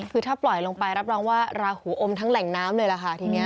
คือถ้าปล่อยลงไปรับรองว่าราหูอมทั้งแหล่งน้ำเลยล่ะค่ะทีนี้